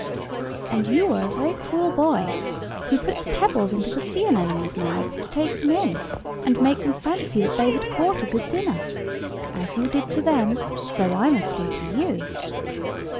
"And you are a very cruel boy; who puts pebbles into the sea anemones' mouths, to take them in, and make them fancy that they had caught a good dinner! As you did to them, so I must do to you."